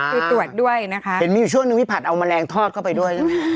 คือตรวจด้วยนะคะเห็นมีอยู่ช่วงหนึ่งพี่ผัดเอาแมลงทอดเข้าไปด้วย